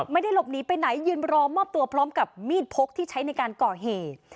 ไม่ได้หลบหนีไปไหนยืนรอมอบตัวพร้อมกับมีดพกที่ใช้ในการก่อเหตุ